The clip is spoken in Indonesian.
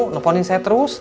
nelponin saya terus